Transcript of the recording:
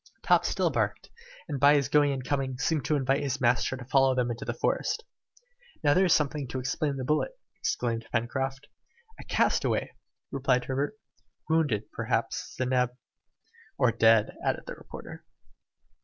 Top still barked, and by his going and coming, seemed to invite his master to follow him into the forest. "Now there's something to explain the bullet!" exclaimed Pencroft. "A castaway!" replied Herbert. "Wounded, perhaps!" said Neb. "Or dead!" added the reporter.